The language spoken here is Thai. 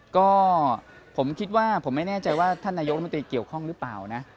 ก็ผมคิดว่าผมไม่แน่ใจว่าท่านนายกรัฐมนตรีเกี่ยวข้องหรือเปล่านะ